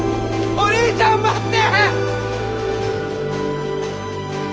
お兄ちゃん待って！